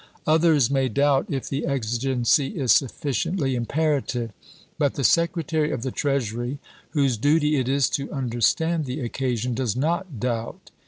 .. Others may doubt if the exigency is sufficiently imperative ; but the Secretary of the Treasury, whose duty it is to understand the occasion, does not doubt.